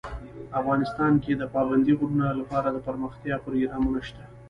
افغانستان کې د پابندی غرونه لپاره دپرمختیا پروګرامونه شته.